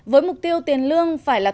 với mục tiêu tiền lương phải là